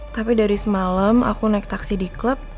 tapi dari semalam aku naik taksi di klub